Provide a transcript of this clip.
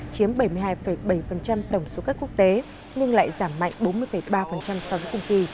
chiếm bảy mươi hai bảy tổng số khách quốc tế nhưng lại giảm mạnh bốn mươi ba so với cùng kỳ